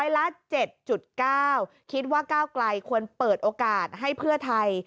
ละ๗๙คิดว่าก้าวไกลควรเปิดโอกาสให้เพื่อไทย